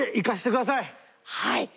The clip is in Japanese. はい。